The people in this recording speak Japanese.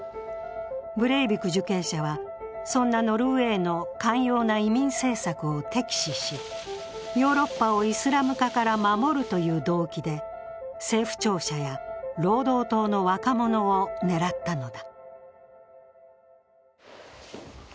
ブレイビク受刑者はそんなノルウェーの寛容な移民政策を敵視しヨーロッパをイスラム化から守るという動機で政府庁舎や労働党の若者を狙ったのだ。